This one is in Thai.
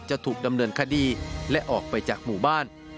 จะถูกดำเนินคดีและออกไปจากหมู่บ้าน